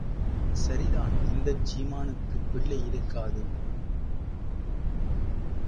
சரிதான் இந்தச் சீமானுக்குப் பிள்ளை இருக்காது.